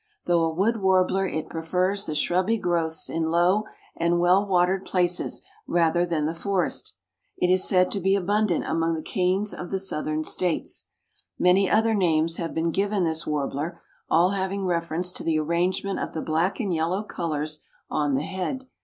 Though a wood warbler it prefers the shrubby growths in low and well watered places rather than the forest. It is said to be abundant among the canes of the Southern States. Many other names have been given this warbler, all having reference to the arrangement of the black and yellow colors on the head.